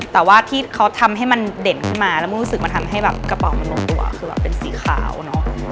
แต่ว่าที่เขาทำให้มันเด่นขึ้นมาแล้วมันรู้สึกมันทำให้แบบกระเป๋ามันลงตัวคือแบบเป็นสีขาวเนอะ